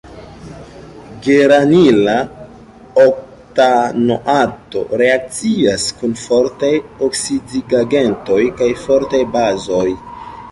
Geranila oktanoato reakcias kun fortaj oksidigagentoj kaj fortaj bazoj.